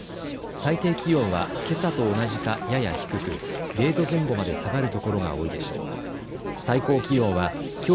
最低気温はけさと同じかやや低く０度前後まで下がる所が多いでしょう。